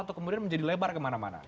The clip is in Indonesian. atau kemudian menjadi lebar kemana mana